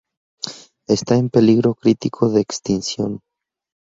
Está en peligro crítico de extinción.